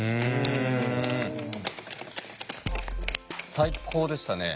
最高でしたね。